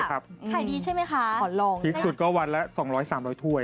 ต้องใกล้ที่สุดแล้วล่ะขอลองนะครับพริกสุดก็วันละ๒๐๐๓๐๐ถ้วย